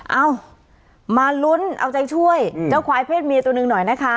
เอามาลุ้นเอาใจช่วยเจ้าควายเพศเมียตัวหนึ่งหน่อยนะคะ